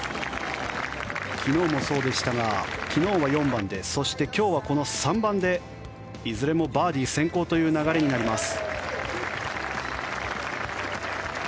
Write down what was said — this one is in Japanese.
昨日もそうでしたが昨日は４番でそして今日はこの３番でいずれもバーディー先行という流れになります。